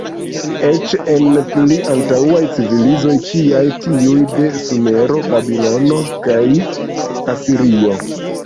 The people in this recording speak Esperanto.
Eĉ en pli antaŭaj civilizoj kiaj tiuj de Sumero, Babilono kaj Asirio.